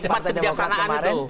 partai demokrasi kemarin